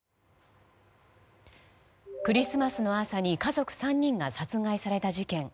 クリスマスの朝に家族３人が殺害された事件。